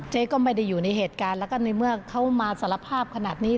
เจ๊ก็ไม่ได้อยู่ในเหตุการณ์แล้วก็ในเมื่อเขามาสารภาพขนาดนี้